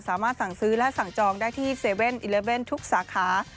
สามารถสั่งซื้อและสั่งจองได้ที่๗๑๑ทุกสาขา